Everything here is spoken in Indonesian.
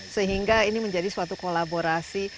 sehingga ini menjadi suatu kolaborasi